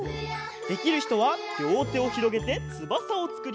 できるひとはりょうてをひろげてつばさをつくります。